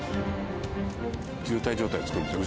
渋滞状態を作るんでしょ。